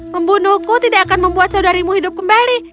membunuhku tidak akan membuat saudarimu hidup kembali